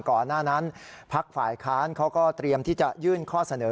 ก่อนหน้านั้นพักฝ่ายค้านเขาก็เตรียมที่จะยื่นข้อเสนอ